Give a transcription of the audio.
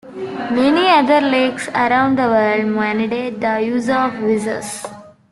Many other leagues around the world mandate the use of visors.